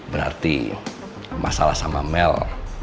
berarti masalah sama mel